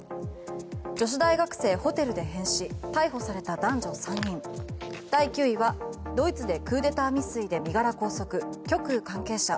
女子大学生ホテルで変死逮捕された男女３人第９位はドイツでクーデター未遂で身柄拘束極右関係者。